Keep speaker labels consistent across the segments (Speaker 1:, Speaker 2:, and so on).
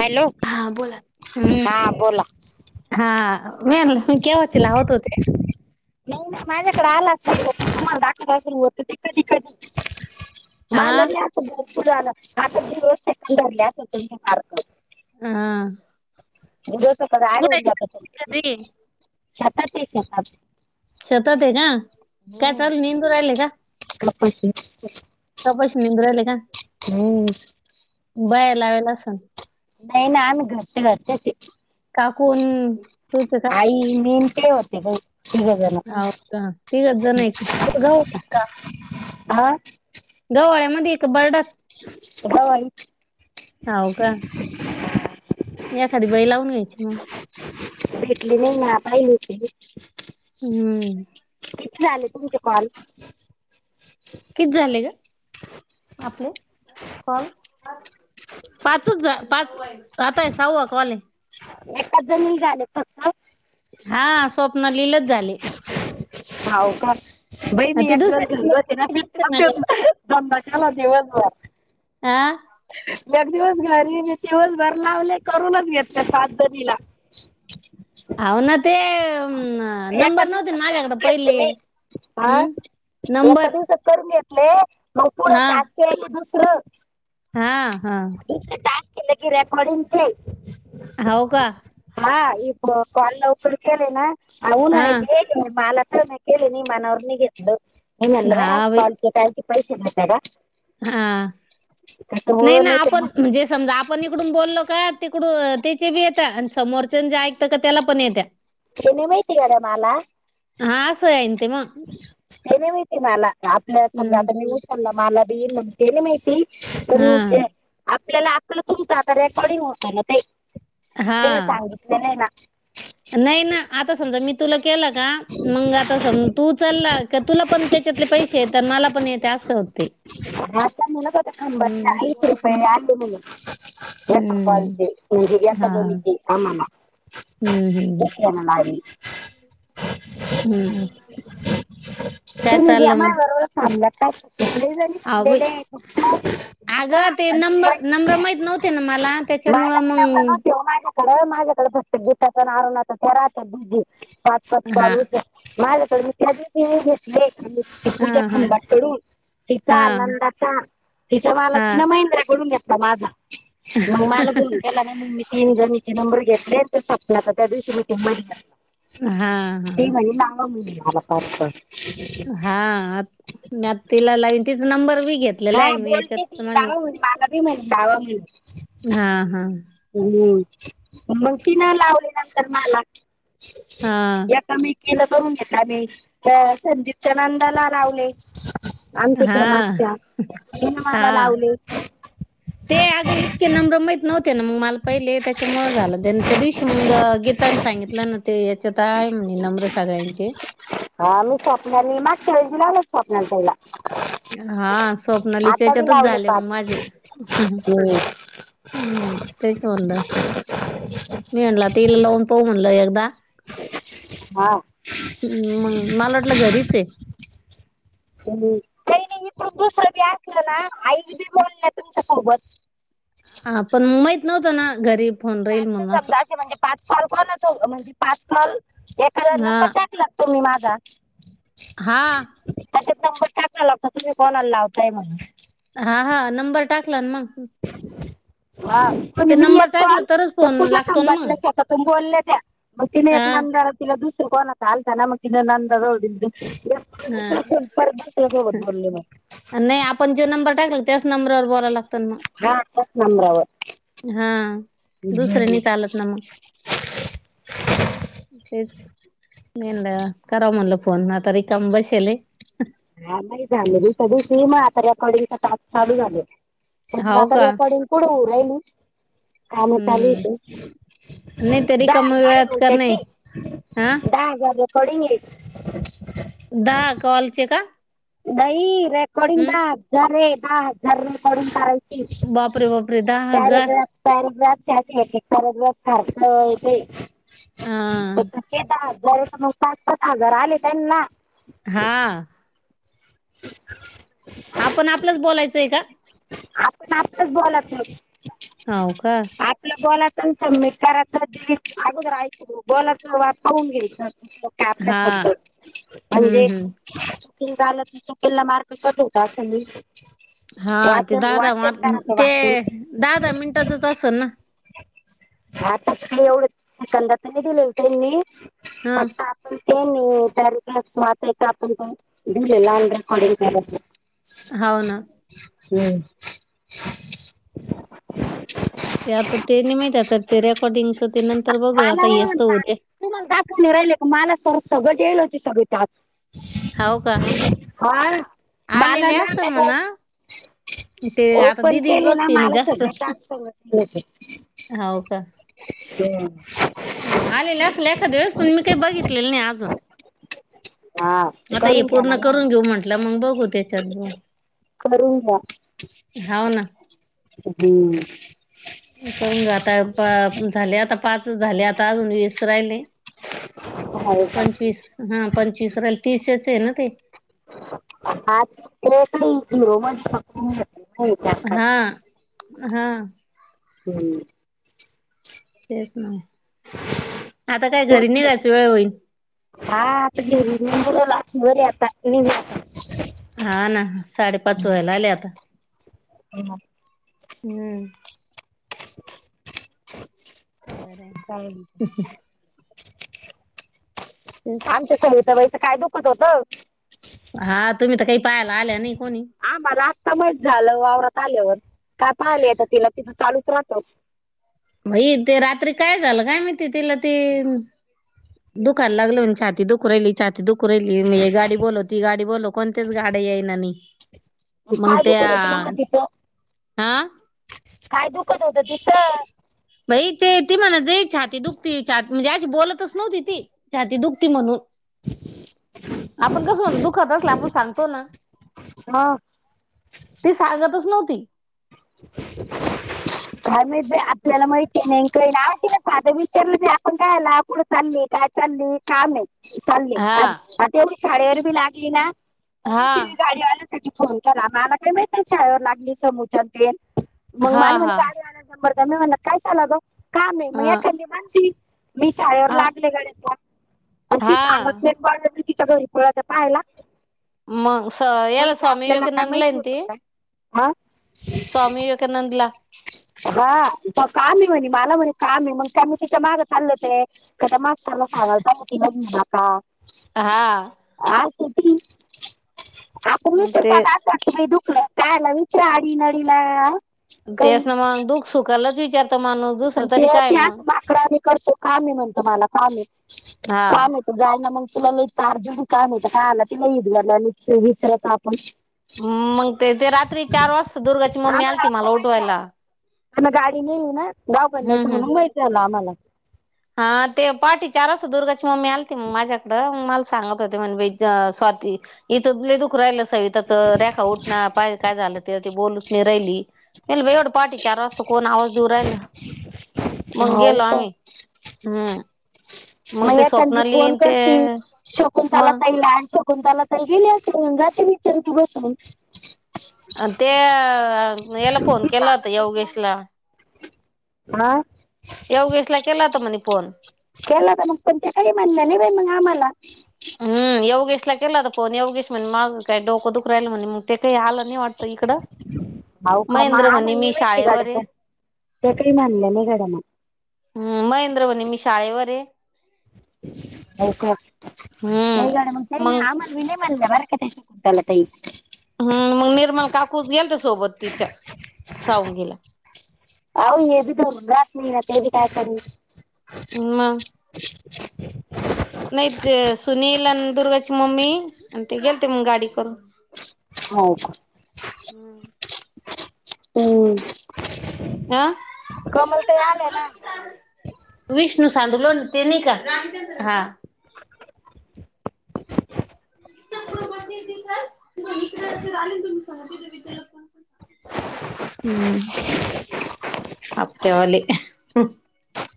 Speaker 1: Hello
Speaker 2: हा बोला हम्
Speaker 1: हा बोला
Speaker 2: हा मी मी केव्हा ते लावत होते [inaudible]
Speaker 1: नाही म माझ्याकडे आलाच नाही तुम्हाला दाखख होत ते कधी कधी
Speaker 2: हा
Speaker 1: मानले असं भरपूर आलं आता दिवस सेकन धरले अस तुमच्या मार्क
Speaker 2: हा
Speaker 1: जोस क आडू
Speaker 2: कुठे
Speaker 1: उला कत
Speaker 2: घरी
Speaker 1: सातात ते शातात
Speaker 2: सतत आहे का काय चाल मेंदू राहिलय का
Speaker 1: अचछा
Speaker 2: तपशी निम्रल का
Speaker 1: हम्
Speaker 2: बाया लावेला असल
Speaker 1: नाही नाही आमी घरच घरच
Speaker 2: काकून तूच का
Speaker 1: आई मी न ते होते ग तिघ जण
Speaker 2: का ती गज नाही का
Speaker 1: हह
Speaker 2: गवाळ्यामध्ये एक बर्डा
Speaker 1: होई
Speaker 2: ह का
Speaker 1: [inaudible]
Speaker 2: एखादी बै लावून घ्यायची मग
Speaker 1: भेटली नाही ना पाहिली ते
Speaker 2: हम्म
Speaker 1: किती झाले तुमच्या कॉल
Speaker 2: किती झाले ग आपले क पाचच पाच आताय सऊ कवाॉले
Speaker 1: एकाच जण झाले फक्त
Speaker 2: हा स्वप्नालीलाच झाले.
Speaker 1: होव का. बहिणी
Speaker 2: ते
Speaker 1: एकदल घरी बसे
Speaker 2: दुसऱ्या
Speaker 1: नालाव दिवसभर.
Speaker 2: आ.
Speaker 1: मी अग दिवस घरी मी दिवसभर लावले करूनच घेतले सातधरीला.
Speaker 2: अ ना ते अ
Speaker 1: एका
Speaker 2: नंबर नव्हते
Speaker 1: दिवसात करून
Speaker 2: माझ्याकडे
Speaker 1: घेतले
Speaker 2: पहिले.
Speaker 1: मी हा
Speaker 2: हम्म नंबर.
Speaker 1: एका दिवसात करून मग पुढं
Speaker 2: हा
Speaker 1: टास्क केलं दुसरं.
Speaker 2: हा हा‌.
Speaker 1: ट केले कि रेकर्डींगते.
Speaker 2: हो का
Speaker 1: हा इ क -कॉल लवकर
Speaker 2: हा
Speaker 1: उन्ह [unintelligible] बालता ना केली नि मनववर निघेतू
Speaker 2: हा
Speaker 1: निमलवा
Speaker 2: बाई
Speaker 1: पाल त्यायचे पैसे घता का?
Speaker 2: हा
Speaker 1: तर
Speaker 2: नाही
Speaker 1: हो
Speaker 2: ना
Speaker 1: तर
Speaker 2: आपण
Speaker 1: मग
Speaker 2: म्हणे समजा आपण इकडून बोललो का तिकडून त्याचे बी येत्या आणि समोरच्या जे ऐकत का त्याला पण येत्या.
Speaker 1: हे नाही माहिती काड मला.
Speaker 2: हा असं हाय.
Speaker 1: ते नाही माहिती मला आपल्या समजा
Speaker 2: हम्म
Speaker 1: आता मी उचलला मला बीन म्हण ते नाही माहिती.
Speaker 2: हा
Speaker 1: तरू ते आपल्याला आपल कोणच आता रेकॉर्डिंग होता ना ते. हे ना
Speaker 2: हा
Speaker 1: सांगितले नाही ना.
Speaker 2: नाही ना आता समजा मी तुला केलं का मग आता सम तू उचलला क तुला पण त्याच्यातले पैसे येत मला पण येते असं होते.
Speaker 1: त्या मुलाखत थांबत ना
Speaker 2: हम्म
Speaker 1: काहीच रुपये आले नाहीत. एक
Speaker 2: हम्म
Speaker 1: पारच एकका
Speaker 2: हा
Speaker 1: बरीच आम्हाला.
Speaker 2: हम्म हम्म
Speaker 1: [unintelligible]
Speaker 2: [inaudible] हम्म. काय
Speaker 1: तुम्ही
Speaker 2: चाललं
Speaker 1: एमआय
Speaker 2: मग
Speaker 1: बरोबर थांबलात का जरी म्हणलेले आहे.
Speaker 2: आगं ते नंबर -नंबरं माहीत नव्हते ना मला त्याच्यामुळं मग
Speaker 1: कार माझ्याकडे प्रत्येक बुटाचे नारळ [unintelligible] पाच पाच
Speaker 2: हा
Speaker 1: बालुशा माझ्याकडून त्या दिवशी घेतले. आम्ही
Speaker 2: हा
Speaker 1: पूजा
Speaker 2: हा
Speaker 1: खंबाट करून. तिचा
Speaker 2: हा
Speaker 1: आनंदाचा तिच्या माला तिन
Speaker 2: हा
Speaker 1: महिंद्राकडून घेतला माझा. मग मला बोल केला ना मग्मी तीन जणचे नंबर घेतले तर सपले आता त्या दिवशी मीटिंग
Speaker 2: हा
Speaker 1: ती
Speaker 2: हा
Speaker 1: माझी मामा मुलगी [unintelligible]
Speaker 2: हा मि आता तिला लाईन तिच नंबर बि
Speaker 1: हा बोलते ती लावा [unintelligible]
Speaker 2: हा हा.
Speaker 1: हम्म! मग ती न लावली नंतर मला.
Speaker 2: हा.
Speaker 1: मी केलं करून घेतला मी अ संदीपच्या नंदाला लावले. आमच्या
Speaker 2: हा
Speaker 1: इकडे मागच्या
Speaker 2: हा
Speaker 1: मला लावले.
Speaker 2: ते आग इतके नंबरं माहित नव्ह ना मग मला पहिले त्याच्यामुळेळ झालं त्या त्या दिवशी मग गीताने सांगितलं ना ते त्यात हातांनी नंबर सगळ्यांचे.
Speaker 1: हा मी स्वप्नी माग वेळज लावलो स्वप् पहिला
Speaker 2: हा
Speaker 1: आता बी
Speaker 2: स्वप्नलीिच्याच्यातच
Speaker 1: लावले
Speaker 2: झाले
Speaker 1: पाच
Speaker 2: मग माझे
Speaker 1: हम्म
Speaker 2: हम्म तेच म्हणत मी म्हलं तिला लावून पाह म्हणलं एकदा
Speaker 1: हा
Speaker 2: ह् म मला वाटलं घरीच आहे
Speaker 1: काही नाही इकडून दुसरं बी असलं ना आईज बी बोलल्या तुमच्यासोबत
Speaker 2: हा पण माहीत नव्हतं ना घरी फोन राहील
Speaker 1: चाल तर
Speaker 2: म्हणून असं
Speaker 1: समजा असे म्हणजे पाच फॉल कोण असो म्हणजे पाच फॉल
Speaker 2: ह
Speaker 1: तुम्ही माझा
Speaker 2: हा
Speaker 1: त्यात नंबर टाकला लागता तुम्ही कॉलर लावताय म्हणून
Speaker 2: हा हा नंबर टाकला मग
Speaker 1: हा पण
Speaker 2: ते
Speaker 1: मी एक
Speaker 2: नंबर टाकलं
Speaker 1: कॉल
Speaker 2: तरच
Speaker 1: तर
Speaker 2: फोन
Speaker 1: पुुझ
Speaker 2: लागतो ना मग
Speaker 1: काांबटलं स्वतः तून बोलले त्या्या मग तिने एक
Speaker 2: हा
Speaker 1: नबर इला दुसर कोण त आलता न मकिन नंदोड
Speaker 2: हा
Speaker 1: परला सोबत बोलले मग
Speaker 2: नाही आपण जे नंबर टाकला त्याच नंबरवर बोल मग
Speaker 1: हा त्याच नंबरावर
Speaker 2: हा दुसऱ्यानी चालत नमा तेच म्हलं करा म्हणल फोन आता रिकाम बसेल आहे
Speaker 1: हा मा झाले दु दिव सीम आता रकॉर्डिंगचा तास चालू झाले प मग
Speaker 2: हाव
Speaker 1: आता
Speaker 2: का
Speaker 1: रेकॉर्डिंग पुढ हो रा आहेल काम
Speaker 2: हम्म
Speaker 1: चालूच
Speaker 2: नाही ते
Speaker 1: दहा
Speaker 2: रिकाम्या
Speaker 1: हजार
Speaker 2: वेळात
Speaker 1: म्हणते
Speaker 2: करणे
Speaker 1: ती
Speaker 2: हा
Speaker 1: दहा हजार र थोडी म
Speaker 2: दहा कॉलचे का
Speaker 1: नाहीई रेकॉर्डिंग
Speaker 2: हम्म
Speaker 1: दहा हजार रे दहा हजार रेकॉर्डिंग करायच
Speaker 2: बापरे बापरे दहा हजार
Speaker 1: त्या पॅराग्राफ याचे पॅराग्राफ हारत तेे
Speaker 2: अ
Speaker 1: जर तर मग पाच पाच हजार आले त्यां ना
Speaker 2: हा
Speaker 1: [inaudible]
Speaker 2: आपण आपलंच बोलायचंय का
Speaker 1: आपण आपताच बोलात ना
Speaker 2: हो का
Speaker 1: आपलं बॉलच सबमिट करायचं ते अगोदरयचं बॉलाचा वाप होऊून घ्यायच का
Speaker 2: हा
Speaker 1: आपल्यासबत
Speaker 2: हम्म
Speaker 1: म्हणजे
Speaker 2: हम्म
Speaker 1: चकिंग झालं चुकला मार्क कट होता
Speaker 2: हा ते
Speaker 1: वाचन
Speaker 2: दादा म
Speaker 1: वाचन करायचं
Speaker 2: ते
Speaker 1: वाचन
Speaker 2: दादा मिनटाचच अस ना
Speaker 1: आता काही एवढंच कदा का नाही दिले हो का मी
Speaker 2: हा
Speaker 1: ते नाहीर वाटायच आपण दिले लहान कढ
Speaker 2: होव ना
Speaker 1: हम्
Speaker 2: ते आता ते नाही माहित तर ते रेकॉर्डिंगचं ते नंतर बघून आता हेचं होद्या
Speaker 1: तू मला दाातने राहिल का मला स सगळ येईल होते सगळी त्याच
Speaker 2: होाव का?
Speaker 1: हा बाल
Speaker 2: आलेले
Speaker 1: ना
Speaker 2: असेल म्हणा ते आता
Speaker 1: ओपन
Speaker 2: दिदीच
Speaker 1: केले ना
Speaker 2: बघते
Speaker 1: मला
Speaker 2: जास्त
Speaker 1: सगळ ट
Speaker 2: हाव का
Speaker 1: ते हम
Speaker 2: आलेले असल एखादे वेळेस पण मी काही बघितलेलं नाही अजून
Speaker 1: हा
Speaker 2: आता हे
Speaker 1: करून घ्या ना
Speaker 2: पूर्ण
Speaker 1: मग
Speaker 2: करून घेऊ म्हंटलं मग बघू त्याच्यात ग
Speaker 1: करून घ्या हम्म
Speaker 2: करून ग आता झाले आता पाच झाले आता अजून वीस राहिले
Speaker 1: हो
Speaker 2: पंचवीस हा पंचवीस राल तीसच आहे ना ते
Speaker 1: आठ, थ्री, झिरो, वन
Speaker 2: हा हा
Speaker 1: हम्म
Speaker 2: तेच ना आता काय घरी
Speaker 1: सोपे
Speaker 2: निघायची वेळ होईल
Speaker 1: हा आता बर आता
Speaker 2: हा ना साडेपाच व्हायला आले आता हम्म
Speaker 1: [inaudible]
Speaker 2: बरंय
Speaker 1: काय
Speaker 2: तेच.
Speaker 1: आमच्या सविता बाईचं काय दुखत होतं
Speaker 2: हा तुम्ही तर काही पायाला आल्या नाही कोणी
Speaker 1: आमा आस्ता माहत झालं वावरात आल्यावर काय पाहिलं आता तिला तिथं चालूच राहतं
Speaker 2: मई ते रात्री काय झालं काय? महीत तिला ते दुखाला लागल म्ह छाती दुख राहिली छाती दुख राहिली म हे गाडी बोलवती गाडी बोलो कोणतेच गाड्या येई ना नाही मग
Speaker 1: काय
Speaker 2: त्या
Speaker 1: दुखत होत. एवढं तिच
Speaker 2: हा
Speaker 1: काय दुखत होत? तिचं
Speaker 2: बई ते ती म्हणा जय छाती दुखती छ म्हणजे अशी बोलतच नव्हती ती छाती दुखती म्हणून आपण कस म्हणतो दुखत असलं आपण सांगतो ना
Speaker 1: हा
Speaker 2: ती सांगतच नव्हती
Speaker 1: काय माहीत आपल्याला म नाही ना साधं विचारलं की आपण काय आला पुढं चालले काय चाल काम नाही चाले
Speaker 2: हा
Speaker 1: आ आता एवढी शाळेवर बी लागली ना तरी
Speaker 2: हा
Speaker 1: ती गाडी फोन केला मला का महित शाळेवर लागली [inaudible]
Speaker 2: हा हा
Speaker 1: नंबर द्या मी म्हणलं कशाला ग काम आहे मग
Speaker 2: हा
Speaker 1: एखादी माणती मी शाळेवर
Speaker 2: हा
Speaker 1: लागले गड्यात आणि ती सांगत
Speaker 2: हा
Speaker 1: नाही तिच्या घरीपोळा तर पाहायला
Speaker 2: मग
Speaker 1: मग
Speaker 2: याला
Speaker 1: इथे
Speaker 2: स्वामी
Speaker 1: आपल्याला काय माहिती
Speaker 2: विवेकानंदलाय
Speaker 1: होतं
Speaker 2: ती
Speaker 1: काय हा
Speaker 2: स्वामी विवेकानंद ला ना दिला
Speaker 1: हा प काम आहे म्हणे मला म्हणे काम आहे मग त्या म तिच्या माग चाल होते क माग त्याला साांवळता होती न नका [inaudible]
Speaker 2: हा
Speaker 1: आसटी आपण
Speaker 2: ते
Speaker 1: विसरतात असात तुम्ही दुखलं कायला विचरा आडी नडीला काही
Speaker 2: तेस ना मग दुःख सुखालाच विचार
Speaker 1: आणि ते त्याच बाकडा नि करतो कामे म्हणतो मला कामे
Speaker 2: हा
Speaker 1: काम जाय ना मग तुला चारजणी काय नाहीत काय आला तिला ईद गला आणि विसरायच आपण
Speaker 2: मग ते रात्री चार वाजता दुर्गाची मम्मी आलती मला उठवायला
Speaker 1: आ गाडी नेली ना गाव बनण्याचं
Speaker 2: हम्म हम्म
Speaker 1: म्हणून व्हायचं आलं आम्हाला
Speaker 2: हा ते पाहाठे चार वाजता दुर्गाची मम्मी आलती मग माझ्याकडं म सांगत होते म्हणे स्वाती इथं लय दुखू राहिल. त [unintelligible] च रेखा उठना पहा काय झालं ते बोलूच मी राहिलीे [unintelligible] पाहाटे चार वाजता कोण आवाज देऊ राहिलं? मग
Speaker 1: हाव
Speaker 2: गेलो आम्ही. हम्म.
Speaker 1: म
Speaker 2: मग ते
Speaker 1: एखांदी
Speaker 2: स्वप्नाली
Speaker 1: फोन
Speaker 2: अन ते
Speaker 1: करते. शकूंतला
Speaker 2: मग
Speaker 1: ताईला शकुंतला ताई गेले असलं [unintelligible] गातची बसून
Speaker 2: अ ते याला फोन केला होता योगेशला.
Speaker 1: ह?
Speaker 2: येवगेस ला केला होता म्हणे फोन.
Speaker 1: केला तर मग कोते [unintelligible] कळी [unintelligible] मणलं न मग आम्हाला.
Speaker 2: हम् योगेशला केला होता फोन. यवगेश म्हणे माझं काही डोक दुख राहिल म्हणे मग ते काही आलं नाही वाढतं.
Speaker 1: हो का म!
Speaker 2: म्हणे
Speaker 1: आमाला
Speaker 2: मी
Speaker 1: नाही
Speaker 2: शाळेवर आहे.
Speaker 1: [unintelligible] तकरी मानलं [unintelligible] [inaudible]
Speaker 2: हम. महेंद्र म्हणे मी शाळेवर आहे.
Speaker 1: हो का! [unintelligible]
Speaker 2: हम्म मग
Speaker 1: आमाला बी नाही म्हणले. [unintelligible]
Speaker 2: हम्म. मग निर्मल काकूच गेलत्या सोबत तिच्या. आउ [unintelligible]
Speaker 1: अऊ हेबात महिनत हे काय कर [unintelligible] [unintelligible]
Speaker 2: मग? नाही, ते सुनील दुर्गाची मम्मी आणि ते गेल ते मग गाडी करून.
Speaker 1: हो का?
Speaker 2: ह.
Speaker 1: हम.
Speaker 2: अं [inaudible]
Speaker 1: ताई आल्या ना
Speaker 2: विष्णू [unintelligible] ते नाही का?
Speaker 1: [inaudible]
Speaker 2: [inaudible] [unintelligible] हम्म. हप्त्याव आले.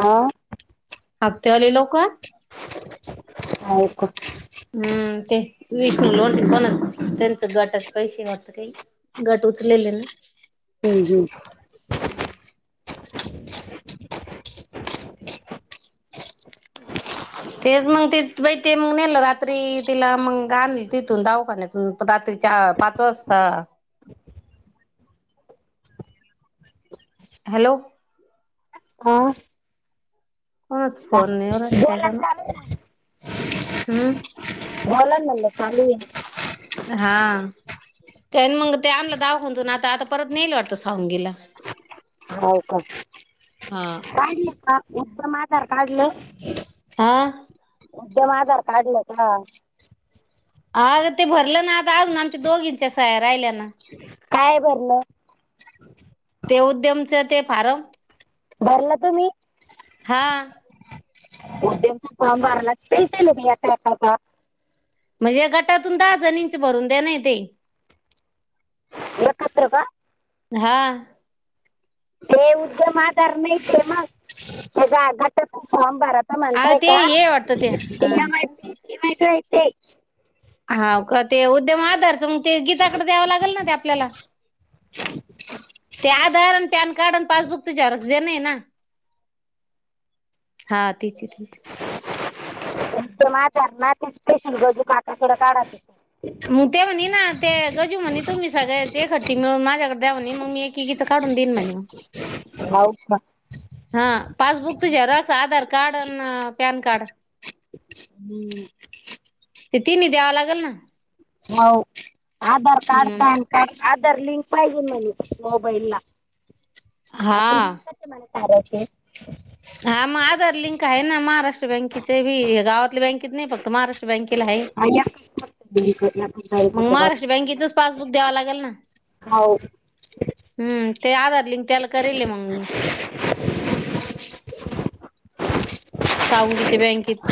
Speaker 1: हां.
Speaker 2: हफ्त्या वाली लोक
Speaker 1: हाय कुठं [unintelligible]
Speaker 2: हम्म. ते विष्णू लोण कोण त्यांचं गाटाचे पैसे वाटत काही. घट उचले ना.
Speaker 1: हम् हम्.
Speaker 2: तेच मग तेई ते मग नेल रात्री तिला मग आणल तिथून दावाखान्यात रात्रीच्या पाच वाजता हॅलो?
Speaker 1: हो.
Speaker 2: कोणाचा फोन नाही अरे काय
Speaker 1: बोला
Speaker 2: करणार.
Speaker 1: चालू आहे
Speaker 2: हम्.
Speaker 1: बोला म्हणलं चालू आहे.
Speaker 2: हा. का मग ते आणलं दावाखोंतून आता आता परत नेलं वाटतं सावंगीला?
Speaker 1: हो का?
Speaker 2: हा
Speaker 1: काढलं का उत्तम आजार काढलं? [inaudible]
Speaker 2: हा?
Speaker 1: मध्यम आधार कार्डला का?
Speaker 2: अग ते भरलं ना आता अजून आमच्या दोघ इंच्या साहायार राहिल्या ना
Speaker 1: काय भरलं
Speaker 2: ते उद्यमच ते फारम
Speaker 1: भरलं तुम्ही
Speaker 2: हा
Speaker 1: उदयमचा फॉर्म भरलाच पैशे आलं एका एकाचा
Speaker 2: म्हणजे गटातून दहा जण इंच भरून द्या नाही ते
Speaker 1: कत वा.
Speaker 2: हा.
Speaker 1: हे उद्यम आजार नाही फेमस त्याचा घात खूप सभारात.
Speaker 2: अग
Speaker 1: म्हणताय
Speaker 2: ते
Speaker 1: का
Speaker 2: हे वाटतं ते हा
Speaker 1: [inaudible]
Speaker 2: हा का ते उद्यम आधार च मग ते गीताकडे द्यावं लागेल ना ते आपल्याला.
Speaker 1: [unintelligible]
Speaker 2: ते आधार आणि पॅन कार्ड आणि पासबुक च झेरॉक्स, ना हा तच त.
Speaker 1: मा माती स्पेशल गजू पाटा डं काढा ते.
Speaker 2: मग ते म्हणे ना ते गजू म्हणे तुम्ही सगळ्याची एक हट्टी मिळून माझ्याकडे द्यावणे मग मी एकी गीं काढून देईन म्हणे मग
Speaker 1: हऊच ना.
Speaker 2: हा पासबुक तर जराच आधार कार्ड आणि पॅन कार्ड.
Speaker 1: हम्म.
Speaker 2: ते तिन्ही द्यावं लागेल ना.
Speaker 1: हो आधार कार्ड,
Speaker 2: हम्म
Speaker 1: पॅन. आधर लिंक पाहिजे म्हणे मोबाईल ला आता.
Speaker 2: हा.
Speaker 1: म सारची.
Speaker 2: हा मग आधार लिंक आहे ना महाराष्ट्र बँकेचे बी गावातल्या बँकेत नाही फक्त महाराष्ट्र बँकेला आहे
Speaker 1: म [inaudible]
Speaker 2: मग महाराष्ट्र बँकेचच पासबुक द्यावा लागेल ना.
Speaker 1: हो
Speaker 2: हम्म ते आधार लिंक त्याला करेल आहे मग मी. सावंगीच्या बँकेत.